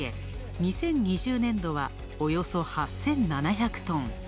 ２０２０年度はおよそ８７００トン。